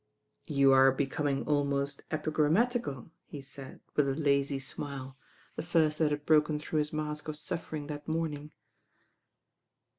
"You are becoming ahnost epigrammatical," he said with a lazy smile, the first that had broken through his mask of suffering that morning.